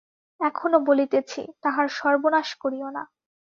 এখনো বলিতেছি, তাহার সর্বনাশ করিয়ো না।